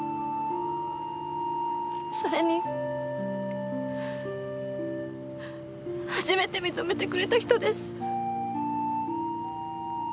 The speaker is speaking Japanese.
それに初めて認めてくれた人です。